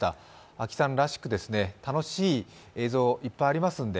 あきさんらしく楽しい映像いっぱいありますので、